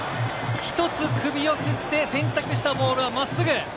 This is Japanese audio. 一つ首を振って選択したボールは真っすぐ。